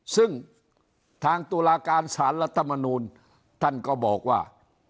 ซึ่งทางตุลาการสารรัฐมนูลท่านก็บอกว่า